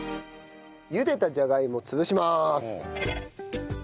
ゆでたじゃがいもを潰します。